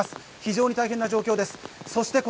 非常に大変な状況です。